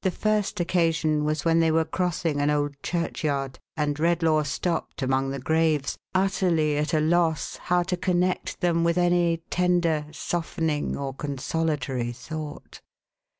The first occasion was when they were crossing an old churchyard, and Redlaw stopped among the graves, utterly at a loss how to connect them with any tender, softening, or consolatory thought.